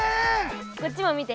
こっちも見て。